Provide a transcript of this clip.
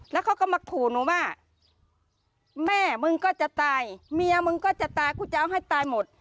แล้วเขาก็มาขู่หนูว่าแม่มึงก็จะตายเมียมึงก็จะตายกูจะเอาให้ตายหมด